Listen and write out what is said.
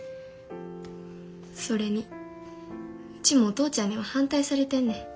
それにウチもお父ちゃんには反対されてんねん。